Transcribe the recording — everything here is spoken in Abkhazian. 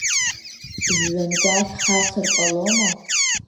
Жәҩангәашә ҳасыр ҟалома?